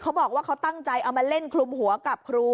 เขาบอกว่าเขาตั้งใจเอามาเล่นคลุมหัวกับครู